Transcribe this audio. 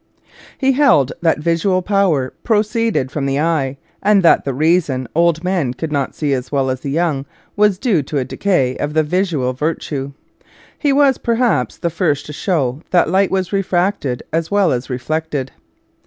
He held that visual power proceeded from the eye, and that the reason old men could not see as well as the young was due to a decay of the " visual virtue." He was, perhaps, the first to show that light was refracted as well as re flected.